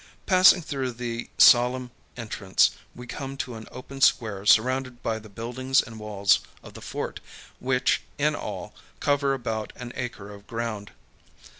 Passing through the solemn entrance, we come to an open square surrounded by the buildings and walls of the fort, which, in all, cover about an acre of ground.